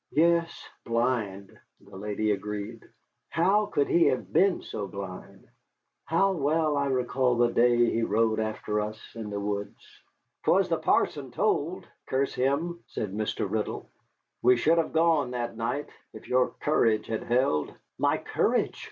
"Yes, blind," the lady agreed. "How could he have been so blind? How well I recall the day he rode after us in the woods." "'Twas the parson told, curse him!" said Mr. Riddle. "We should have gone that night, if your courage had held." "My courage!"